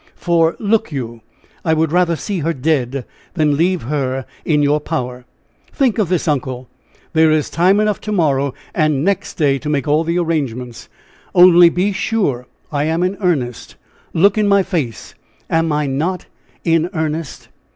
For, look you, I would rather see her dead, than leave her in your power! Think of this, uncle! There is time enough to morrow and next day to make all the arrangements; only be sure I am in earnest! Look in my face! Am I not in earnest?"